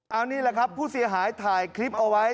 เอานี่แหละครับผู้เสียหายถ่ายคลิปเอาไว้